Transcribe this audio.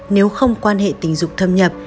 nếu không quan hệ tình dục thâm nhập